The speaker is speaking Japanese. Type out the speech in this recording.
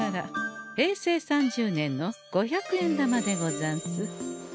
平成３０年の五百円玉でござんす。